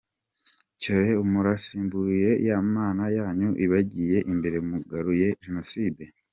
Cyore, murasubiriye ya mana yanyu ibagiye imbere mugaruye Jenoside ?